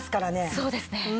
そうですね。